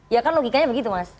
ya kan logikanya begitu mas